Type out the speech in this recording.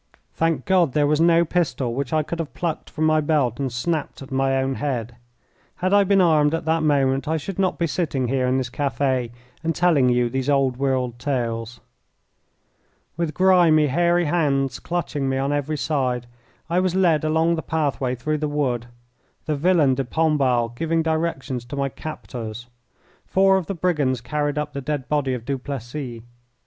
Thank God, there was no pistol which I could have plucked from my belt and snapped at my own head. Had I been armed at that moment I should not be sitting here in this cafe and telling you these old world tales. With grimy, hairy hands clutching me on every side I was led along the pathway through the wood, the villain de Pombal giving directions to my captors. Four of the brigands carried up the dead body of Duplessis.